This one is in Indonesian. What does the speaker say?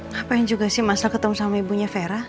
ngapain juga sih masa ketemu sama ibunya vera